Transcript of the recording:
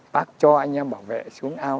bác cho anh em bảo vệ xuống ao